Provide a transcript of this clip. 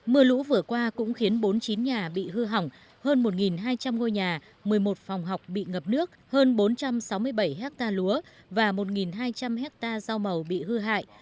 mưa lũ vừa qua cũng khiến bốn mươi chín nhà bị hư hỏng hơn một hai trăm linh ngôi nhà một mươi một phòng học bị ngập nước hơn bốn trăm sáu mươi bảy hectare lúa và một hai trăm linh hectare rau màu bị hư hại